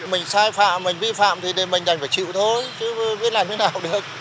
mình sai phạm mình vi phạm thì mình đành phải chịu thôi chứ biết làm thế nào được